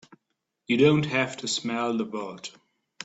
You don't have to smell the world!